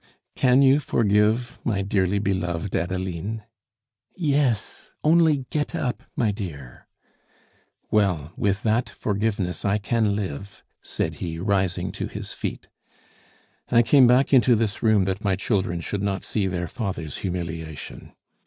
"Can you forgive, my dearly beloved Adeline?" "Yes, only get up, my dear!" "Well, with that forgiveness I can live," said he, rising to his feet. "I came back into this room that my children should not see their father's humiliation.